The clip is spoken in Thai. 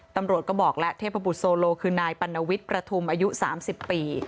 ตำรวจก็บอกแล้วเทพบุตรโซโลคือนายปัณวิทย์ประทุมอายุ๓๐ปี